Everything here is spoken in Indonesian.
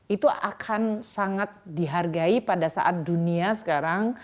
itu akan sangat dihargai pada saat dunia sekarang